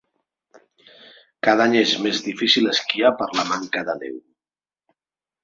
Cada any és més difícil esquiar per la manca de neu.